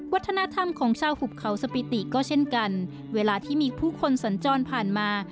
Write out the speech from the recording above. วัฒนธรรมของชาวหุบเขาสปิติก็เช่นกันเวลาที่มีผู้คนสัญจรผ่านมา